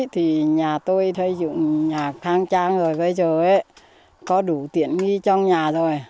thì nhà tôi thay dựng nhà khang trang rồi bây giờ có đủ tiện nghi trong nhà rồi